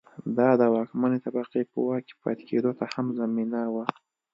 دا د واکمنې طبقې په واک کې پاتې کېدو ته هم زمینه وه.